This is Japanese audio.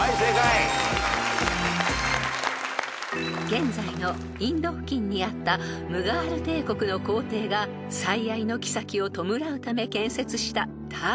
［現在のインド付近にあったムガール帝国の皇帝が最愛のきさきを弔うため建設した］